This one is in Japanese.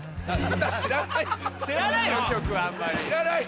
知らないの？